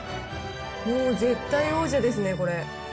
もう絶対王者ですね